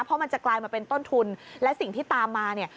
เพราะมันจะกลายมาเป็นต้นทุนและสิ่งที่ตามมาเนี่ย